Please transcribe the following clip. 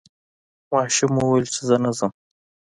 ماشوم وویل چې زه نه ځم.